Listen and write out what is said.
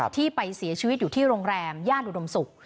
ที่ไปเสียชีวิตอยู่ที่โรงแรมย่านอุดมศุกร์